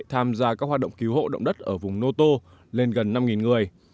tham gia các hoạt động cứu hộ động đất ở vùng noto lên gần năm người